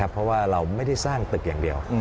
เพราะว่าเราไม่ได้สร้างตึกอย่างเดียว